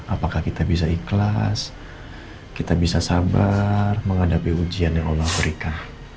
apakah kita bisa ikhlas kita bisa sabar menghadapi ujian yang allah berikan